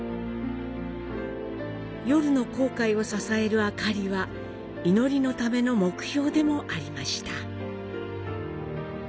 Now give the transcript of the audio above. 夜の航海を支える灯りは祈りのための目標でもありました。